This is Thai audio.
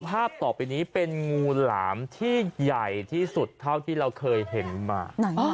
ภาพต่อไปนี้เป็นงูหลามที่ใหญ่ที่สุดเท่าที่เราเคยเห็นมา